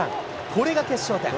これが決勝点。